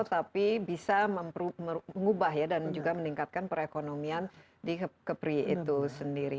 tapi bisa mengubah ya dan juga meningkatkan perekonomian di kepri itu sendiri